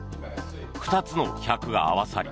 ２つの１００が合わさり